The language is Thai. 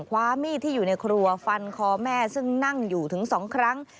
ความมีดที่อยู่ในครัวฟันคอแม่ซึ่งนั่งอยู่ถึง๒ครั้ง